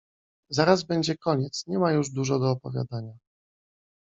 Zaraz będzie koniec… nie ma już dużo do opowiadania.